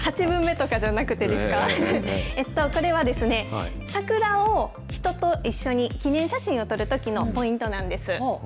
８分目とかじゃなくてですか？これはですね、桜を人と一緒に記念写真を撮るときのポイントなんです。